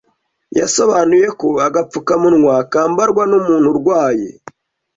yasobanuye ko agapfukamunwa kambarwa n’umuntu urwaye